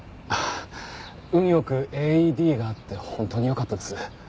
運良くＡＥＤがあって本当によかったです。